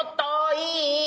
いい？